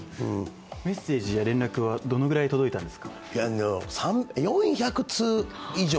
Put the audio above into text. メッセージや連絡はどのぐらい届いたんですかいや